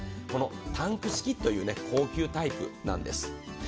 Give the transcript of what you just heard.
このタンク式という高級タイプなんです。